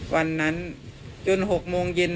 วันนั้นจน๖โมงเย็น